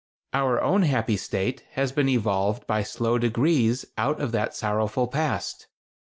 Our own happy state has been evolved by slow degrees out of that sorrowful past.